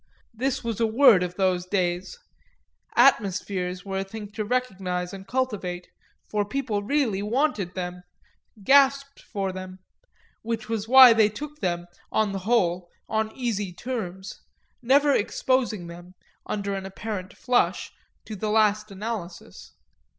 This was a word of those days atmospheres were a thing to recognise and cultivate, for people really wanted them, gasped for them; which was why they took them, on the whole, on easy terms, never exposing them, under an apparent flush, to the last analysis.